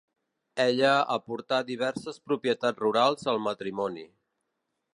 Ella aportà diverses propietats rurals al matrimoni.